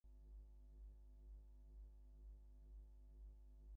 During its construction, fragments of burial monuments were reused.